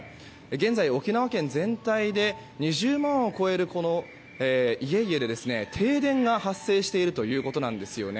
現在、沖縄県全体で２０万を超える家々で停電が発生しているということなんですよね。